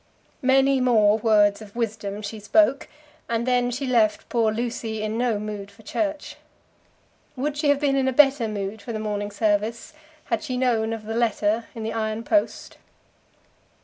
Many more words of wisdom she spoke, and then she left poor Lucy in no mood for church. Would she have been in a better mood for the morning service had she known of the letter in the iron post?